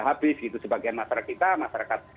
habis gitu sebagian masyarakat kita masyarakat